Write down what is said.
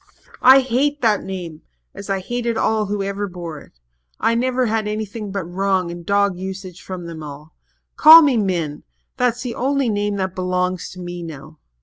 "I hate the name as I hated all who ever bore it. I never had anything but wrong and dog usage from them all. Call me Min that's the only name that belongs to me now.